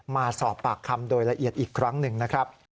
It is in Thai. มาสอบปากคำโดยละเอียดอีกครั้งหนึ่งนะครับ